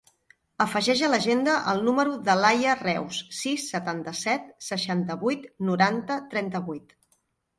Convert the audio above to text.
Afegeix a l'agenda el número de l'Aya Reus: sis, setanta-set, seixanta-vuit, noranta, trenta-vuit.